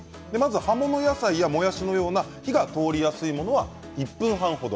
葉物野菜や、もやしのような火が通りやすいものは１分半程。